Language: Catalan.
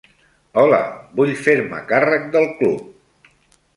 Hola, vull fer-me càrrec del club.